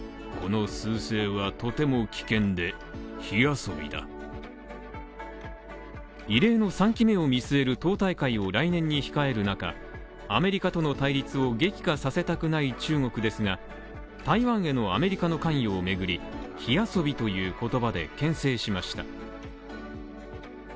これに対し、中国の習近平国家主席は異例の３期目を見据える党大会を来年に控える中、アメリカとの対立を激化させたくない中国ですが、台湾へのアメリカの関与を巡り、火遊びという言葉で牽制しました。